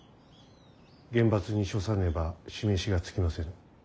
厳罰に処さねば示しがつきませぬ。